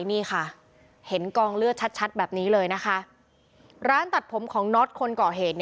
นี่ค่ะเห็นกองเลือดชัดแบบนี้เลยนะคะร้านตัดผมของน็อตคนก่อเหตุ